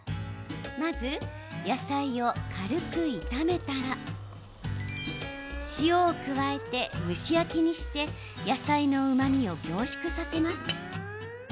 まず、野菜を軽く炒めたら塩を加えて蒸し焼きにして野菜のうまみを凝縮させます。